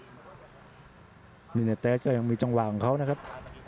นี่ในเตสก็ยังมีจังหวะของเขานะครับ